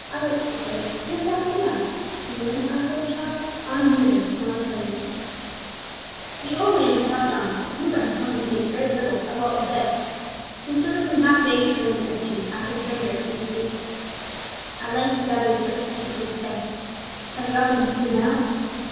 I went to the place, and they sent me here, and the minute I saw the child, I knew her for my Tilly's." The old man had talked on, but Coomber had comprehended very little of what was said. He stood looking half dazed for a minute or two after the stranger had ceased speaking. At length he gathered his wits sufficiently to say: "Have you got them pictures now?"